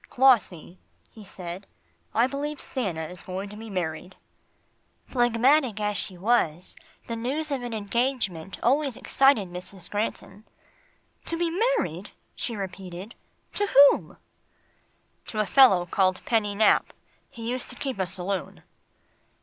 "Clossie," he said, "I believe Stanna is going to be married." Phlegmatic as she was, the news of an engagement always excited Mrs. Granton. "To be married," she repeated, "to whom?" "To a fellow called Penny Nap he used to keep a saloon."